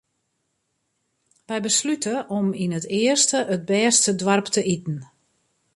Wy beslute om yn it earste it bêste doarp te iten.